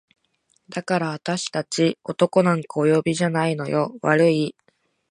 「だからあたし達男なんかお呼びじゃないのよ悪い？」